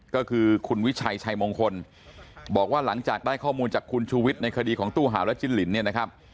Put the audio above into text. ก็คือคุณวิชัยชัยมงคลบอกว่าหลังจากได้ข้อมูลจากคุณชูวิทย์ในคดีของตู้หาวและจิ้นลินเนี่ยนะครับ